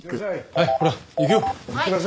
はいほら行くよ。ほら！